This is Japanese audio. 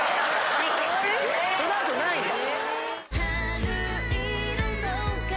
その後ないんだ。